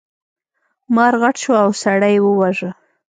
مار غټ شو او سړی یې وواژه.